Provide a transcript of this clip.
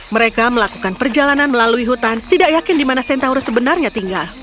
mereka melakukan perjalanan melalui hutan tidak yakin di mana sentaurus sebenarnya tinggal